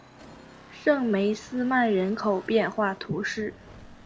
圣梅斯曼人口变化图示